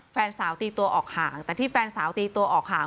แฟนสาวตีตัวออกห่างแต่ที่แฟนสาวตีตัวออกห่าง